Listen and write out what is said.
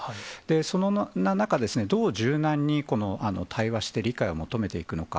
その中で、どう柔軟に対話して、理解を求めていくのか。